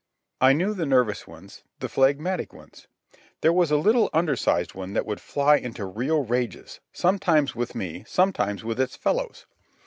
I knew the nervous ones, the phlegmatic ones. There was a little undersized one that would fly into real rages, sometimes with me, sometimes with its fellows.